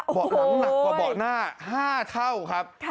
เบาะหลังหนักกว่าเบาะหน้า๕เท่าครับ